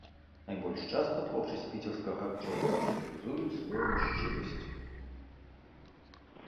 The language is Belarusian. Найбольш часта творчасць піцерскага акцёра характарызуюць словам шчырасць.